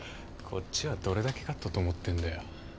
こっちはどれだけ勝ったと思ってんだよ？